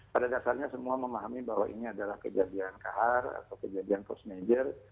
pada dasarnya semua memahami bahwa ini adalah kejadian kahar atau kejadian post major